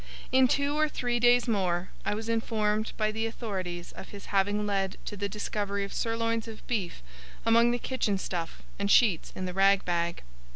In two or three days more, I was informed by the authorities of his having led to the discovery of sirloins of beef among the kitchen stuff, and sheets in the rag bag.